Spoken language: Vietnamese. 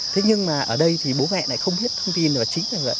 thế nhưng mà ở đây thì bố mẹ lại không biết thông tin và chính là vậy